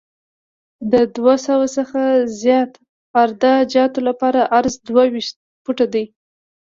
د دوه سوه څخه زیات عراده جاتو لپاره عرض دوه ویشت فوټه دی